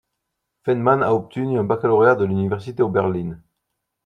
Feynman a obtenu un baccalauréat de l'université d'Oberlin.